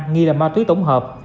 nghi là ba túi tổng hợp